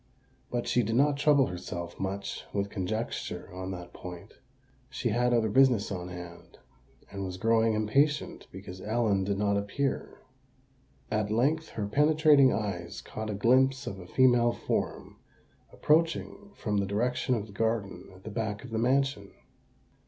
But she did not trouble herself much with conjecture on that point: she had other business on hand, and was growing impatient because Ellen did not appear. At length her penetrating eyes caught a glimpse of a female form approaching from the direction of the garden at the back of the mansion.